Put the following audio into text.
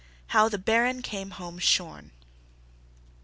How the Baron came Home Shorn.